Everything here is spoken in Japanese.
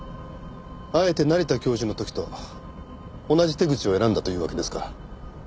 あえて成田教授の時と同じ手口を選んだというわけですか。